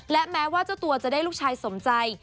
และแม้ว่าเจ้าตัวจะได้ลูกชายสมใจ